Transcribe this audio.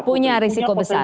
punya risiko besar